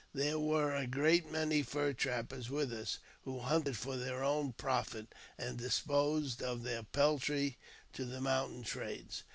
There were a great many fur trappers with us, who hunted for their own profit, and disposed of their peltry to the mountain traders.